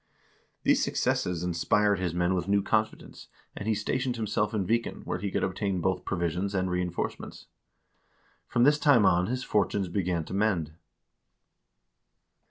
These successes inspired his men with new confidence, and he stationed himself in Viken, where he could obtain both provisions and reenforcements. From this time on his fortunes began to mend.